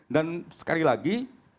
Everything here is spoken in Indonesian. dan sekali lagi